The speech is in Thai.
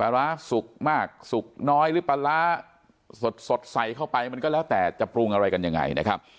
ปลาร้าสุกมากสุกน้อยหรือปลาร้าสดใส่เข้าไปมันก็แล้วแต่จะปรุงอะไรกันยังไงนะครับ